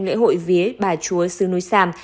lễ hội vía bài chúa sư núi sam